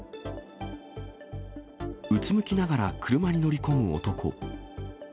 うつむきながら車に乗る男。